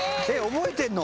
覚えてんの？